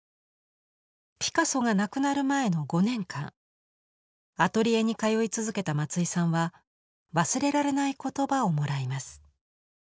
ピカソが亡くなる前の５年間アトリエに通い続けた松井さんは忘れられない言葉をもらいます。